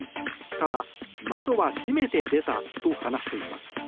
ただ窓は閉めて出たと話しています。